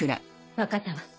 わかったわ。